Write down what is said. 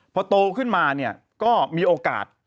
พอโตขึ้นมาเนี่ยก็มีโอกาส